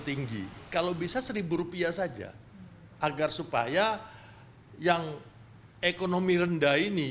tinggi kalau bisa seribu rupiah saja agar supaya yang ekonomi rendah ini